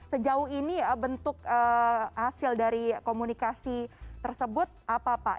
sejauh ini bentuk hasil dari komunikasi tersebut apa pak